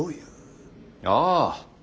ああ。